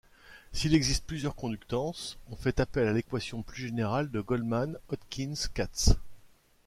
S'il existe plusieurs conductances, on fait appel à l'équation plus générale de Goldman-Hodgkin-Katz.